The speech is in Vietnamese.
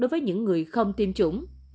và người không tiêm chủng